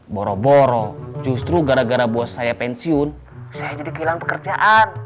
boro boro justru gara gara bos saya pensiun saya jadi kehilangan pekerjaan